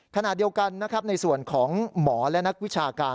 ขณะเดียวกันนะครับในส่วนของหมอและนักวิชาการ